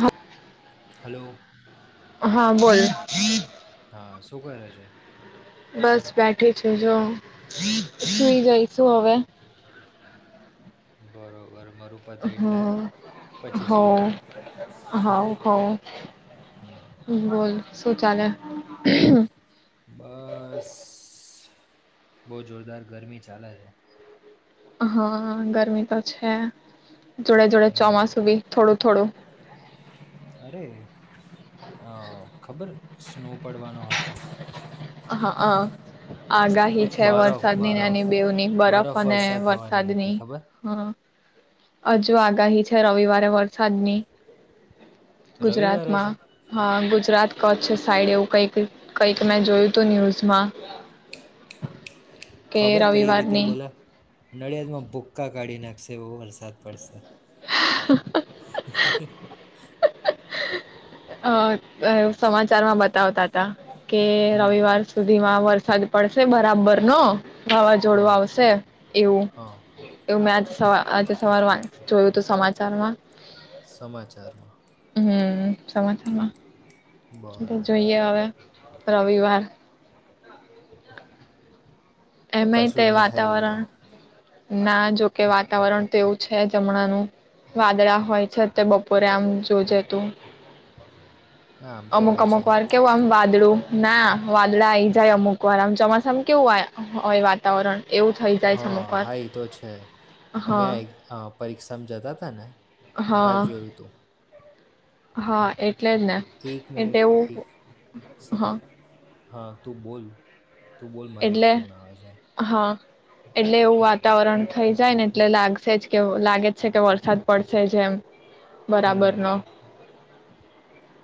હપ. Hello. હા બોલ. હા શું કરે છે? બસ બેઠી છે જો, સુઈ જઈશું હવે. બરો હ પછી હો સુઈ જા હાવ હાવ હમ હમ્મ બોલ. શું ચાલે? બસ બહુ જોરદાર ગરમી ચાલે છે. હા ગરમી તો છે. જોડે જોડે હમ ચોમાસું બી થોડુંક. થોડું અરે. અ હ. ખબર સ્નો પડવાનો હતો. હા, આગાહી છે બરફ વરસાદનીને એની બરફ બેવની બરફ અને વર્ષા થવાની હતી વરસાદની ખબર હા. હજુ આગાહી છે, રવિવારે વરસાદની. રવિવારે છે ગુજરાતમાં હા ગુજ ગુજરાત કચ્છ સાઈડ એવું કઈક, કંઈક મેં જોયું તું ન્યૂઝમાં કે રવિવારની નડિયાદ માં ભુક્કા કાઢી નાખશે એવો વરસાદ પડશે. [inaudible] [inaudible] અહ અહ સમાચારમાં બતાવતા હતા કે હમ રવિવાર સુધી ધીમાં વરસાદ પડશે બરાબર નો વાવાઝોડું હા આવશે એવું હા એવું મેચ સવા આજે સવાર જોયું હતું સમાચારમાં સમાચારમાં હમ્મ. સમાચારમાં તો બરોબર જોઈએ હવે રવિવાર હવે એમય તે કશું નહીં થાય એવું તો વાતાવરણ ના જોકે વાતાવરણ તેવું છે અમણાનું, વાદળા હોય છે તે બપોરે આમ જોજે તું હા આમ તો અમુક હોય અમુક છે વાર કેવું આમ વાદ દળું ના વાદળા આઈ જાય અમુક વાર, આમ ચોમાસામાં કેવું હોય હોય વાતાવરણ હા, અમુક વાર હા, એતો છે. અમે હા પરીક્ષામાં જતા હતા ને તારે હા જોયુંતું હા, એટલેજ ને મિનિટ એવું એક સ- હા હા, તું બોલ તું બોલ મારે એક એટલે ફોન આવે છે. હા એટલે એવું વાતાવરણ થઈ જાય ને એટલે લાગશે જ કે લાગે છે કે વરસાદ પડશેજ એમ બરાબર હમ ન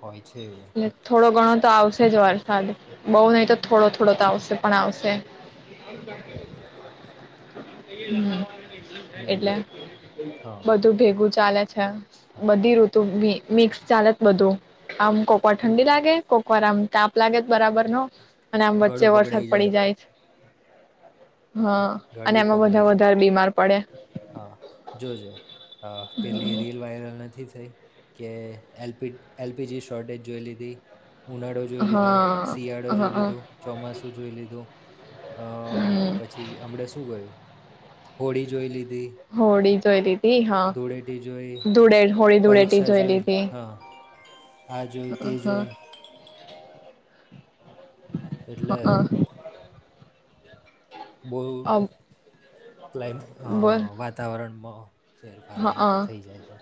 હોય છે એવું એટલે થોડો ઘણો તો આવશેજ વારસાદ. બઉ નહી તો થોડો થોડો તો આવશે પણ આવશે અ [inaudible] હમ એટલે હમ હા બધું ભેગું ચાલે છે હા બધી ઋતુી મિક્સ ચાલત બધું આમ કોકવાર પેલું ઠંડી લાગે કોકવાર આમ તાપ લાગે જ બરાબર નો અને આમ ગળું વચ્ચે વરસાદ પકડાઈ પડી જાય છે. હા અને ગડી એમાં બધા પકડાઈ જાય વધારે બીમાર પડે હા જોજે હા પેલી રીલ વાયરલ નથી થત કે એલ પ એલપીજી શોર્ટેજ જોઈ લીધી ઉનાળો જોઈ, હા લીધો શિયાળો, જોઈ હ લીધો, ચોમાસું જોઈ લીધું અ હમ પછી યો હોળી જોઈ લીધી હોડી તોરી હા ધૂળેટી જોઈ ધૂળે હોળી ધૂળેટી પરીક્ષા જોઈ જોયેલીધી હા આ જોએ તે જોય એટલે બહુ હા કલાય્મ, બોલ વાતાવરણમાં ફેરફાર આઈ જા, થઇ જાય છે.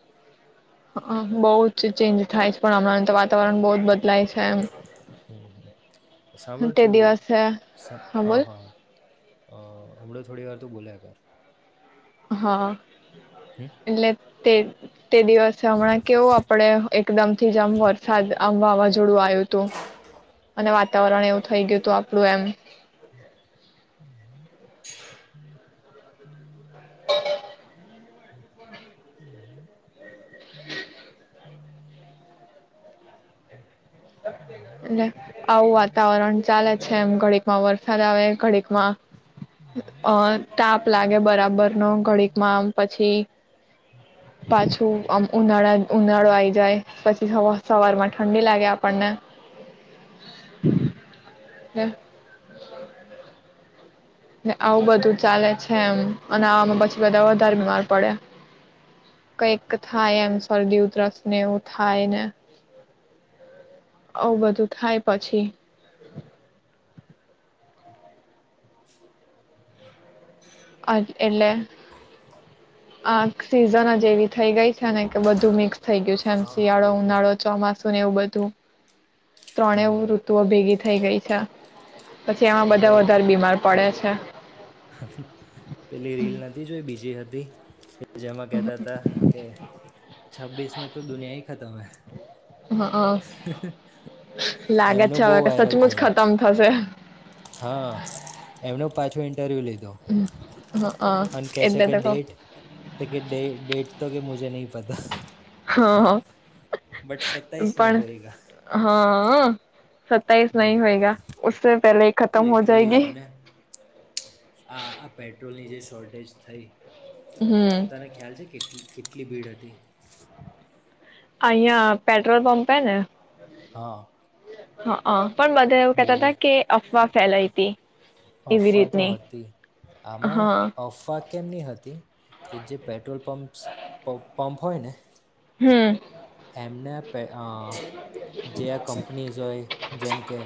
હ હા બહુ જ ચેન્જ થાય પણ હમણાં તો વાતાવરણ બહ જ બદ હમ હમ તે દિવસે સાંવળતું હા હા અ હમણાો થોડી વાર તો બોલ્યા કર હા હમ. એટલે તે તે દિવસે હમણાં કેવું આપણે એકદમ થી જ આમ વરસાદ આમ વાવાઝોડું આવ્યું હતું અને વાતાવરણ એવું થઈ ગયું હતું આપણું એમ [inaudible] હમ હ હ હ હ. એલે આવું વાતાવરણ ચાલે છે એમ ઘડીકમાં વરસાદ આવે ઘડીકમાં અ તાપ લાગે બરાબર નો ઘડીકમાં આમ પછી પાછું આમ ઉનાળા ઉનાળો આઈ જાય પછી સવાર માં ઠંડી લાગે પણ હમ. આવું બધું ચાલે છે એમ અને આવામાં પછી બધા વધારે બીમાર પડે કંઈક થાય એમ શરદી ઉધરસ ને એવું થાય ને આવું બધું થાય પછી [inaudible] એટલે આ સિઝન જ એવી થઈ ગઈ છે ને કે બધું મિક્સ. થઈ ગયું છે એમ હા, હા. શિયાળો બોલ, બોલ. ઉનાળો ચોમાસું એવું બધું તો. ત્રણે હમ. ઋતુઓ ભેગી થઈ ગઈ છે. અચ્છા. પછી એમાં અરે બધા વધારે બીમાર પડે છે. [inaudible] પેલી રીલ નથી જોઈ બીજી હતી [inaudible] જેમાં કહેતા હતા કે છબ્બીસ મે તો દુનિયા હી ખતમ હ હા લાગે એમનો છે બહુ હવે વાયરલ સચમુંચ થયો. ખતમ થશે હા એમનો પાછો ઇન્ટરવ્યૂ લીધો હ અને કહે છે એટલે કે તો ડેટ તો કેે ડેટ તો કે મુજે નહીં પતા કહ હા હ. બટ સત્તાઈસ નહી હોયગા હા. સત્તાઈસ નહી હોયગા ઉસે પહેલે પણ ખતમ હો લિટરલી જાયગી જો ને જ થઈ. હમ તને ખ્યાલ છે કેટલી કેટલી ભીડ હતી. અહીંયા, પેટ્રોલ પંપ હે ને હા. હં અં. પણ બધા એવું બહુ કહેતાતા જ કે એ અફવા ફેલાઈ તી અફવા તો હતી, આમાં હા અફવા કેમની હતી કે જે પેટ્રોલ પંપ્સ પ પંપ હોયને હમ એમનેે પે અં જે આ કંપનીઝ હોય, જેમ કે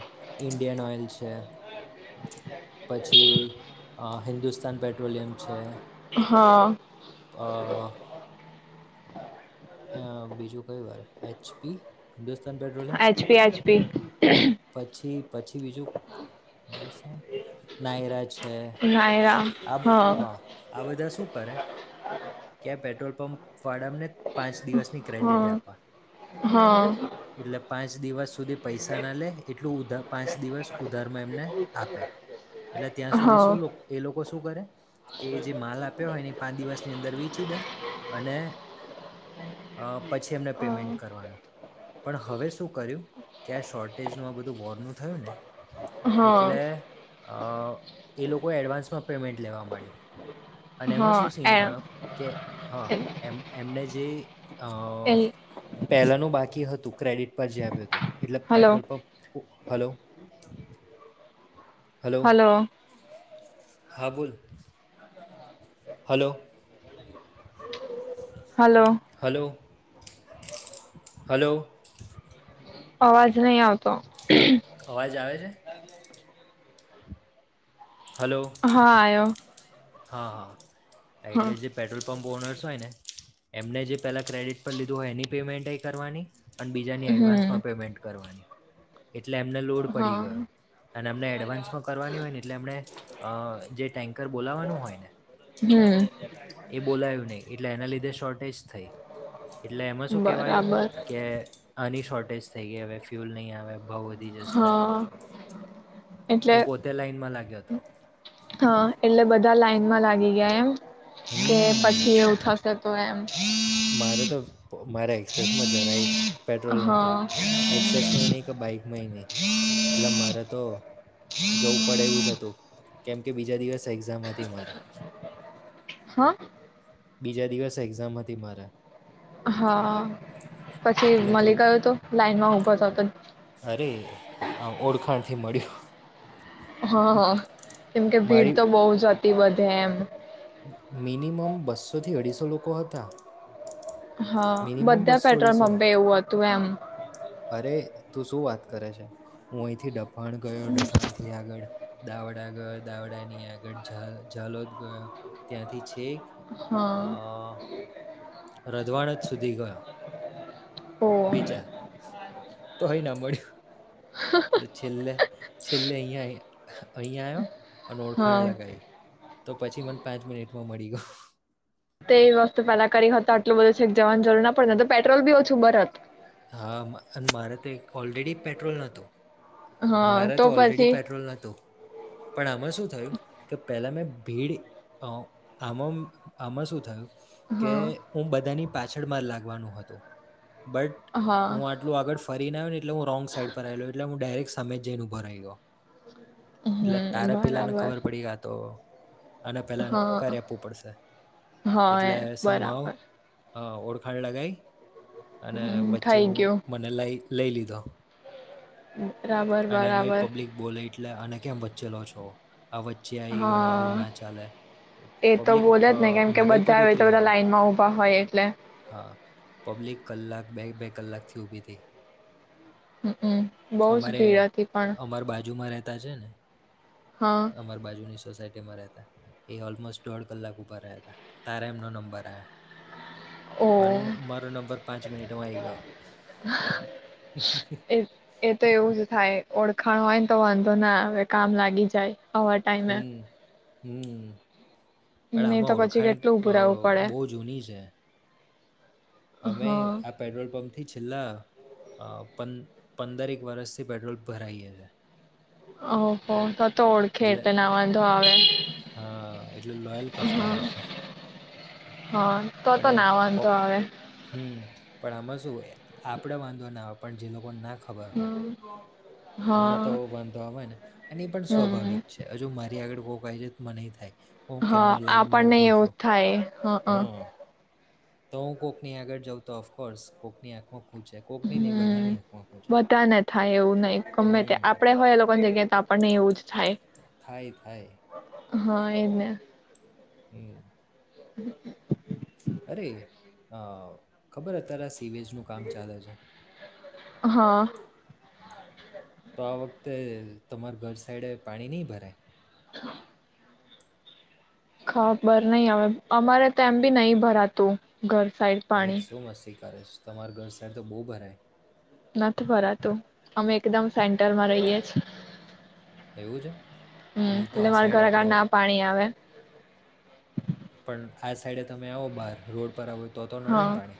ઇન્ડિયન ઓઇલ છે. હં. પછી, આ હિન્દુસ્તાન પે પેટ્રોલિયમ છે. હા. અ અ બીજું કયું આયુ એચ પી, હિન્દુસ્ [unintelligible] પી પછી, પછી બીજું નાયરા છે, આ હા આ બધા શું કરે કે આ પેટ્રોલ પંપ પધમ ને પાંચ દિવસની ક્રેડિટે આપવા. હા. એટલે પાંચ દિવસ સુધી પૈસા ના લે, એટલું ઉધા પાંચ દિવસ ઉધારમાં એમને આપે, એટલે ત્યાં સુધી હા શું, એ લોકો શું કરે, કે એ જે માલ આપ્યો હોય ને એ પાંચ દિવસની અંદર વેચી દે, અને અં પછી એમને હા પેમેન્ટ કરવાનું. પણ હવે શું કર્યું, કે આ શોર્ટેજનું આ બધું વોર્નું થયું ને, હા એટલે અ એ લોકો એડવાન્સમાં પેમેન્ટ લેવા માંડ્યું. અને એમાં હા શું સીન થયો, કે હા, એ એમ એમને જે અ એ પહેલાનું બાકી હતું. ક્રેડિટ પર જે આપ્યો હતો એટલે hello petrol pump hello. [inaudible] Hello. હા બોલ. હલો. હલો. Hello hello. અવાજ નહીં આવતો. અવાજ આવે છે? હલો હા આવ્યો. હા હા. હા આઈટલે જેલે પેટ્રોલ. પંપ ઓનર્સ હોય ને એમને જે પેલા ક્રેડિટ પર લીધું હોય એની પેમેન્ટ કરવાની. અને બીજાની હમ એડવાન્સમાં પેમેન્ટ કરવાની. એટલે એમને લોડ પડી હા ગયો અને અમને એડવાન્સમાં કરવાની હોય ને એટલે એમને અ જે. ટેન્કર બોલાવાનું હોય ને હમ એ બોલાયું નહી એટલે એના લીધે શોર્ટેજ. થ એટલે એમાં શું કહેવાયું બરાબર કે શોર્ટેજ થઈ ગઈ હવે ફ્યુલ નહીં આવે. બાહ બધી જશે. હા એટલે હું પોતે લાઈનમાં લાગ્યો હતો હા એટલે બધા. બધા લાાઈનમાં લાગી ગયા એમ. કે હમ પછી એવું થશે તો એમ. મારે તો મારા એક્સેસમાં જરાય પેટ્રોલ ન હતું હા એક્સેસમાં નહી કે બાઈકમાંય નહી એટલે મારે તો જવું પડે એવું જ હતું કેમ કે બીજા દિવસ એક્ઝામથી મારા હા. બીજા દિવસ એક્ઝામ હતી મારે હા પછી એટલે માલિક જવું આય તું લાઈનમાં ઊભો થ હતો થી મળ્યું હા હા કેમ કે ભીડ મારી તો બહુ જ હતી વધે એમ મિનિમમ બસ્સોથી અઢીસો લોકો હતા હા મિનિમમ બધા બસો પેટ્રોલ અઢીસો બમ્બે એવું હતું એમ અરે તું શું વાત કરે છે હું અહીંથી ડપ પણ ગયો દમણથી આગળ દાવડા ગયો દાવડાની આગળ ઝાલોદ ગયો ત્યાંથી છેક હા અ રજવાડ જ સુધી ગયો. ઓ વિચાર તોય ના મળ્યું. તો છેલે છેલે અહીંયા અહીંયા આયો અને હા ઓળખાણ લગાઈ તો પછી મને પાંચ મિનિટમાં મળી ગયો. તો એ વસ્તુ પેલા કરી હોત તો આટલું બધું છેેક જવાની જરૂરના પડે ન તો પેટ્રોલ બી ઓછું બરત. હા મારે તો ઓલરેડી પેટ્રોલ ન હતો. હા મારે તો ઓલરેડી પછી પેટ્રોલ ન હતું પણ આમાં શું થયું કે પહેલાં મેં ભીડ આમાં આમાં શું થયું કે હા હું બધાની પાછળમા લાગવાનું હતું. બટ હું હા આટલું આગળ ફરીને આવ્યો ને એટલે હું રોંગ સાઈડ પર આવેલો એટલે હું ડાયરેક્ટ સામે જઈને ઉભો રહી ગયો. એટલે હમ તારે પેલાને બરાબર ખબર પડી કે આ તો અને પહેલા હા કરી આપવું પડશે હા એ એટલે સંભવ બરાબર હા ઓળખાણ લગાઈ. અને હમ વચ્ચે થઈ હું મને લઈ લઈ લીધો. હમ્મ [inaudible] બરાબર અને એમાંય બરાબર. પબ્લિક બોલે એટલે અને કેમ વચ્ચે લો છો. આ વચ્ચે આવી ગયો આવું હા ના ચાલે એ તો પબ્લિક બોલે જ ને કેમ કે નાગાઈ પર બધા હવે તો ઉતરી બધા આવે. લાઈનમાં ઊભા હોય એટલે હા પબ્લિક કલાક બે બે કલાકથી ઊભીતી. [inaudible] બહુ જ ભીડ હતી પણ. તા છે ને હા અમાર બાજુની સોસાયટીમાં રહેતા એ ઓલમોસ્ટ દોઢ કલાક ઊભા રહ્યા હતા તારે એમનો નંબર આયો. ઓ અને મારો નંબર પાંચ મિનિટમાં આઈ ગયો. એ એ તો એવું જ થાય ઓળખાણ હોય ને તો વાંધો ના આવે કામ લાગી જાય. અવા ટાઈમે હમ્મ. પણ નહી આમાં તો પછી ઓળખાણ કેટલું ઊભું રહેવું પડે બહુ જૂની છે. અમે હા આ પેટ્રોલ પંપ થી છેલ્લા પંદરેક વર્ષથી પેટ્રોલ ભરાઈએ છે ઓહ ઓહ [unintelligible] તો ઓળખે એટલે તે ના વાંધો આવે હા એટલે લોયલ કસ્ટમર હમ છે હા તો તો અને ના વાંધો પપ આવે હમ પણ આમાં શું આપડે વાંધો ના હોય પણ જે લોકો નાખ હમ્મ. એમનો તો વાંધો આવે ને અને એ પણ હમ સ્વાભાવિક છે હજુ મારી આગળ [unintelligible] મા નેઈ થાય હું હા કેમનો લાઈનમાં આપણને ઊભો એવું છું થાય હ હ હા તો હું કોકની આગળ જાઉં તો ઓફકોર્સ કોકની આંખ હમ્મ બધાને થાય એવું નહિ ગમે તે હમ આપડે હોય એ લોકોની જગ્યાએ તો આપણ નહી એવુંજ થાય થાય હા એને હમ્મ હમ્મ અરે અ ખબર તારા સીવેજનું કામ ચાલે છે હા તો આ વખતે તમાર ઘર સાઈડે પાણી નહી ભરાય [inaudible] ખબર નહી આવે અમારે તો એમ બી નહી ભરાતું ઘર સાઇડ પાણી તમાર ઘર સાઈડ તો બહુ ભરાય નથી ભરાતું અમે એકદમ સેન્ટરમાં રહીયએ છે એવું છે હમ્મ નહીં તો એટલે આ મારે સાઈડ ઘરે આપણે ના પાણી આવે પણ આ સાઈડે તમે આવો બહાર રોડ પર આવો તો તો હા નડે ને પાણી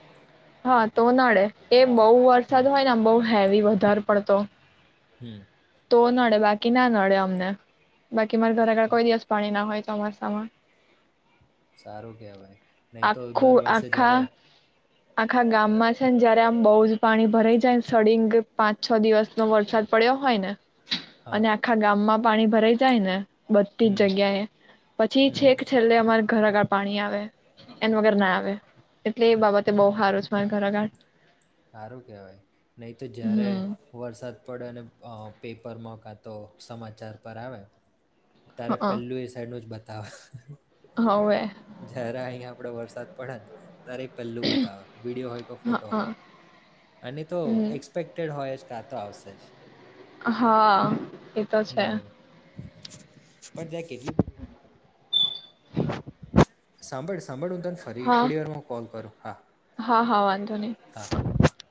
હા તો નડે એમ બહુ હમ વરસાદ હોય ને આમ બહુ હેવી વધારે પડતો હમ્મ તો નડે બાકી ના નડે અમને બાકી મારે ધરાગળ કોઈ દિવસ પાણી ના હોય સારું કેવાય નહી તો દર આખું વર્ષે આખા જ્યારે આખા ગામમાં છે ને જયારે આમ બહુ જ પાણી ભરાઈ જાયને સળંગ પાંચ છ દિવસનો વરસાદ પડ્યો હોય ને હા અને આખા ગામમાં પાણી ભરાઈ જાય ને બધતી હમ જ જગ્યા એ પછી હમ છે કે છેલ્લે અમારે ઘરા પાણી આવે એન વગર ના આવે એટલે એ બાબતે બહુ હારું છે મારે ધરઆગળ હારું કેહેવાય નહી તો જયારે હમ વરસાદ પડે અ પેપર મોકા તો સમાચાર પર આવે હ તારે પેલું એ સાઈડ નું જ બ ત હવે જરા અહીં આપડે વરસાદ પડન તારે પહેલું બતાવે વિડીિયો હોય કે હ ફોટો હોય અને તો એક્સપેક્ટેડ હોય જ કાં તો આવશે જ હા એતો છે હમ ખજ સાંભળ સાંભાળ તને ફરી હા થોડી વાર હું કોલ કરો હા હા, હા, વાધો હા [unintelligible]